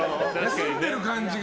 休んでる感じが。